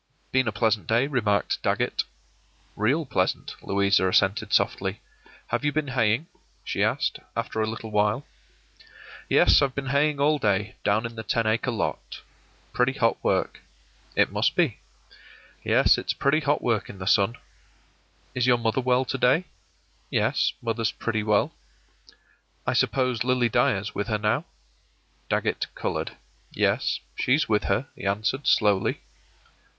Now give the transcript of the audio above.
“Been a pleasant day,” remarked Dagget. “Real pleasant,” Louisa assented, softly. “Have you been haying?” she asked, after a little while. “Yes, I've been haying all day, down in the ten acre lot. Pretty hot work.” “It must be.” “Yes, it's pretty hot work in the sun.” “Is your mother well to day?” “Yes, mother's pretty well.” “I suppose Lily Dyer's with her now?” Dagget colored. “Yes, she's with her,” he answered, slowly.